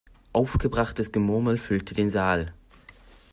Aufgebrachtes Gemurmel füllte den Saal.